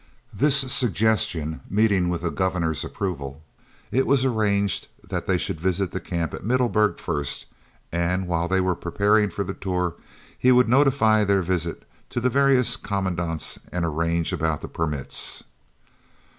This suggestion meeting with the Governor's approval, it was arranged that they should visit the camp at Middelburg first, and while they were preparing for the tour he would notify their visit to the various commandants and arrange about the permits.